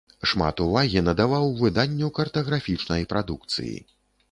Шмат увагі надаваў выданню картаграфічнай прадукцыі.